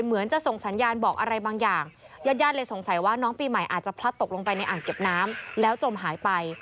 เหมือนจะส่งสัญญาณบอกอะไรบางอย่างญาติญาติเลยสงสัยว่าน้องปีใหม่อาจจะพลัดตกลงไปในอ่างเก็บน้ำแล้วจมหายไป